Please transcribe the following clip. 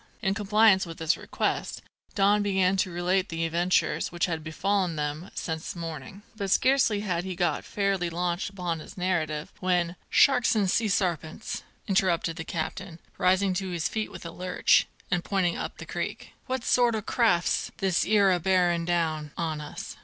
In compliance with this request Don began to relate the adventures which had befallen them since morning; but scarcely had he got fairly launched upon his narrative, when: "Sharks an' sea' sarpents!" interrupted the captain, rising to his feet with a lurch, and pointing up the creek, "what sort o' craft's this 'ere a bearin' down on us?